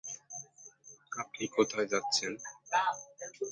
ছেলেদের মধ্যে কোষ্ঠকাঠিন্যের হার মেয়েদের তুলনায় প্রায় দ্বিগুণ।